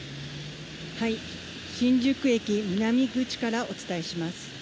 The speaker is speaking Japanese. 新宿駅南口からお伝えします。